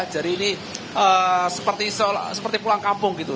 jadi ini seperti pulang kampung gitu